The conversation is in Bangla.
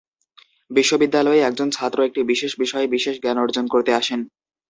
বিশ্ববিদ্যালয়ে একজন ছাত্র একটি বিশেষ বিষয়ে বিশেষ জ্ঞান অর্জন করতে আসেন।